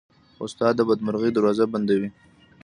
استاد د بدمرغۍ دروازې بندوي.